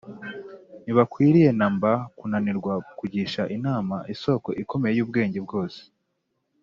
ntibakwiriye na mba kunanirwa kugisha inama isoko ikomeye y’ubwenge bwose.